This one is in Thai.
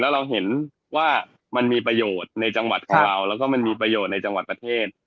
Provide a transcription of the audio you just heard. เราเห็นว่ามันมีประโยชน์ในจังหวัดของเราแล้วก็มันมีประโยชน์ในจังหวัดประเทศ